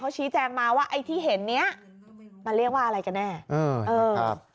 ชี้แจงมาว่าไอ้ที่เห็นเนี้ยมันเรียกว่าอะไรกันแน่อืมเออครับ